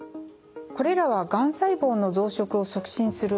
これらはがん細胞の増殖を促進するＨＥＲ